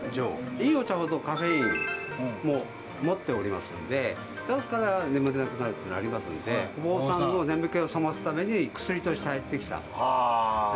いいお茶ほどカフェインも持っておりますのでだから眠れなくなるってなりますんでお坊さんの眠気を覚ますために薬として入ってきた。